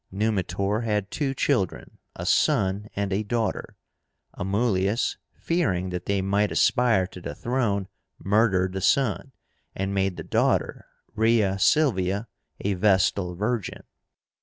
Numitor had two children, a son and a daughter. Amulius, fearing that they might aspire to the throne, murdered the son, and made the daughter, RHEA SILVIA, a Vestal virgin.